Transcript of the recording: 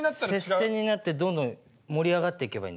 接戦になってどんどん盛り上がっていけばいいんだよ。